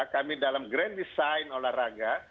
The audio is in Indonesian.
kami dalam grand design olahraga